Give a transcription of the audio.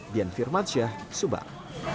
dian firmansyah subang